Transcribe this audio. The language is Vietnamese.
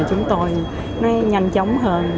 chúng tôi nó nhanh chóng hơn